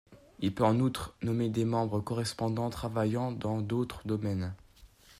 Il peut en outre nommer des membres correspondants travaillant dans d'autres domaines.